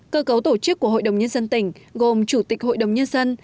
cơ cấu tổ chức của hội đồng nhân dân tỉnh gồm chủ tịch hội đồng nhân dân